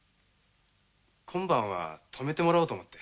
今晩は泊めてもらおうと思って。